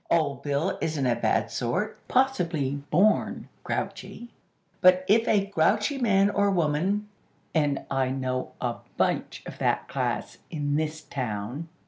Old Bill isn't a bad sort; possibly born grouchy; but if a grouchy man or woman, (and I know a bunch of that class in this town!)